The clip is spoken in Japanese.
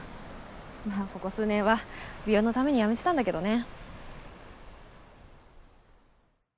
まあここ数年は美容のためにやめてたんだけどね。